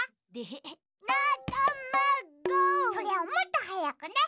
それをもっとはやくね。